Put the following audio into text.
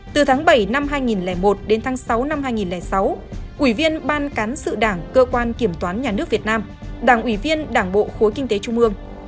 từ tháng bảy năm hai nghìn một đến tháng sáu năm hai nghìn sáu ủy viên ban cán sự đảng cơ quan kiểm toán nhà nước việt nam đảng ủy viên đảng bộ khối kinh tế trung ương